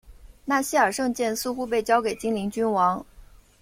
纳希尔圣剑似乎被交给精灵君王。